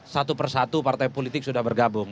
satu persatu partai politik sudah bergabung